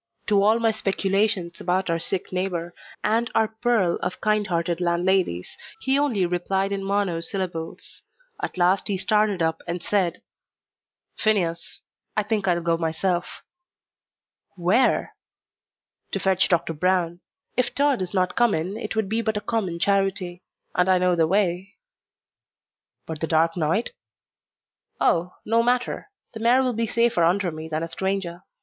To all my speculations about our sick neighbour, and our pearl of kind hearted landladies, he only replied in monosyllables; at last he started up and said, "Phineas, I think I'll go myself." "Where?" "To fetch Doctor Brown. If Tod is not come in it would be but a common charity. And I know the way." "But the dark night?" "Oh, no matter; the mare will be safer under me than a stranger.